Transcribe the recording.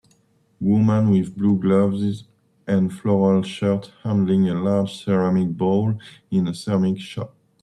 Woman with blue gloves and floral shirt handling a large ceramic bowl in a ceramic shop.